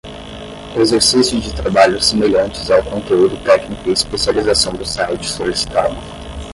Exercício de trabalhos semelhantes ao conteúdo técnico e especialização do site solicitado.